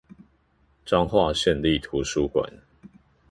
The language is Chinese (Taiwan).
彰化縣立圖書館